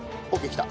きた！